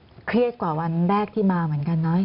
เครียดกว่าวันแรกที่มาเหมือนกันเนอะ